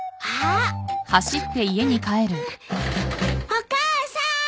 お母さん！